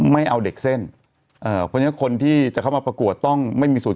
ไม่เอาเด็กเส้นเอ่อเพราะฉะนั้นคนที่จะเข้ามาประกวดต้องไม่มีสูตร